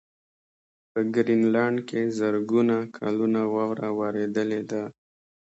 په ګرینلنډ کې زرګونه کلونه واوره ورېدلې ده